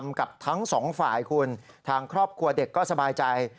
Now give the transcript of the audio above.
กับทั้งสองฝ่ายคุณทางครอบครัวเด็กก็สบายใจ